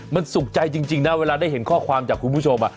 มันสุขใจจริงนะเวลาได้เห็นข้อความจากคุณผู้ชม